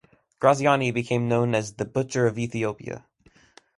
Graziani became known as "the Butcher of Ethiopia".